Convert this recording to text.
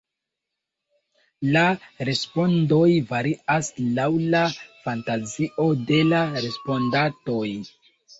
La respondoj varias laŭ la fantazio de la respondantoj.